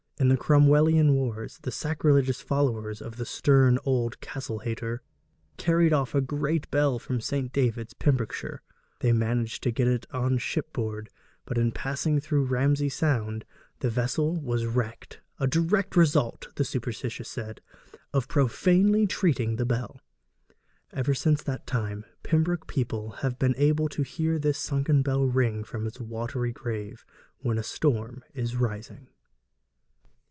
In the Cromwellian wars, the sacrilegious followers of the stern old castle hater carried off a great bell from St. David's, Pembrokeshire. They managed to get it on shipboard, but in passing through Ramsey Sound the vessel was wrecked a direct result, the superstitious said, of profanely treating the bell. Ever since that time, Pembroke people have been able to hear this sunken bell ring from its watery grave when a storm is rising.